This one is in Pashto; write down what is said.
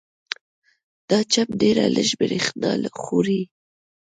دا چپ ډېره لږه برېښنا خوري.